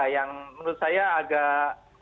yang menurut saya agak